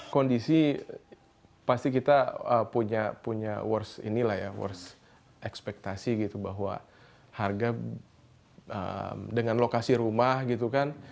kondisi pasti kita punya worst ini lah ya worst ekspektasi gitu bahwa harga dengan lokasi rumah gitu kan